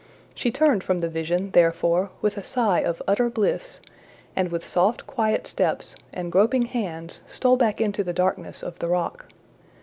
She turned from the vision, therefore, with a sigh of utter bliss, and with soft quiet steps and groping hands stole back into the darkness of the rock.